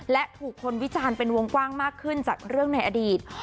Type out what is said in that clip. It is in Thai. และถูกคนวิจารณ์เป็นวงกว้างมากขึ้นจากเรื่องในอดีต